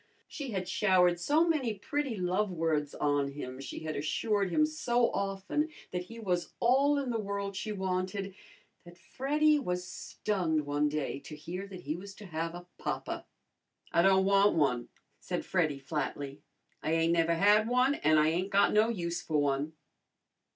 She had showered so many pretty love words on him, she had assured him so often that he was all in the world she wanted, that Freddy was stunned one day to hear that he was to have a papa. "I don' wan' one," said Freddy flatly. "I ain't never had one, an' I ain't got no use for one."